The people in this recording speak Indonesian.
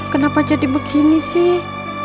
kenapa jadi begini sih